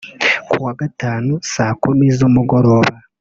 Kuwa gatanu saa kumi z’umugoroba